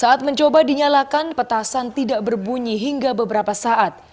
saat mencoba dinyalakan petasan tidak berbunyi hingga beberapa saat